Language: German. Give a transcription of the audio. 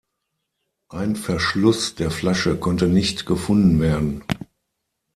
Ein Verschluss der Flasche konnte nicht gefunden werden.